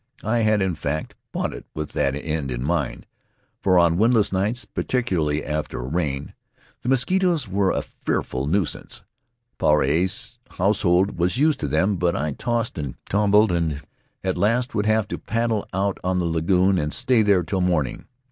I had, in fact, bought it with that end in mind, for on windless nights, particularly after A Debtor of Moy Ling a rain, the mosquitoes were a fearful nuisance. Puarei's household was used to them, but I tossed and tumbled, and at last would have to paddle out on the lagoon and stay there till morning.